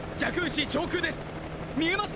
市上空です。